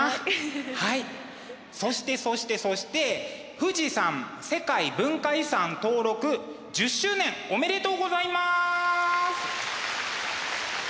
そしてそしてそして富士山世界文化遺産登録１０周年おめでとうございます！